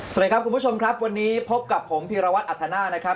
สวัสดีครับคุณผู้ชมครับวันนี้พบกับผมพีรวัตรอัธนาคนะครับ